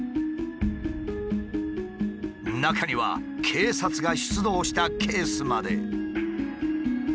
中には警察が出動したケースまで。